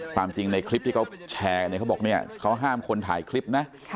ความจริงในคลิปที่เขาแชร์เนี่ยเขาบอกเนี่ยเขาห้ามคนถ่ายคลิปนะ